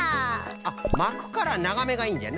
あっまくからながめがいいんじゃな。